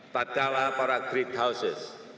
tak kalah para great houses